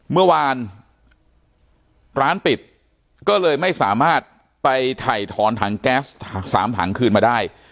เมื่อวานร้านปิดก็เลยไม่สามารถไปถ่ายถอนถังแก๊ส๓ถังคืนมาได้